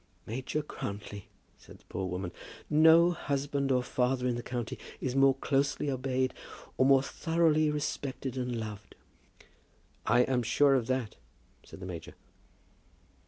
"Major Grantly," said the poor woman, "no husband or father in the county is more closely obeyed or more thoroughly respected and loved." "I am sure of it," said the major.